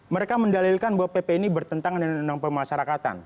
mereka mendalilkan bahwa pp ini bertentangan dengan undang undang pemasarakatan